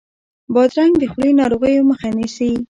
بادرنګ د خولې ناروغیو مخه نیسي.